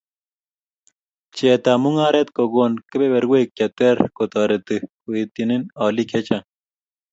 Pcheet ab mungaret kokon kebeberuek cheter kotereti koityin olik chechang